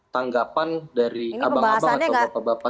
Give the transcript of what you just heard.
tanggapan dari abang abang atau bapak bapak